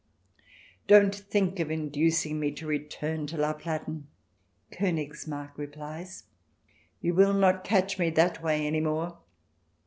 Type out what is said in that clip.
Don't think of inducing me to return to La Platen. ..." KOnigsmarck replies. " You will not catch me that way any more."